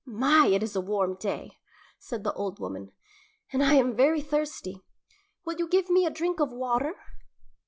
"My, it is a warm day," said the old woman, "and I am very thirsty. Will you give me a drink of water?"